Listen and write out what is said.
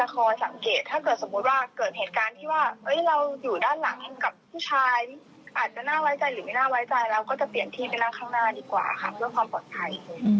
เราก็จะเปลี่ยนที่ไปนั่งข้างหน้าดีกว่าค่ะเพื่อความปลอดภัย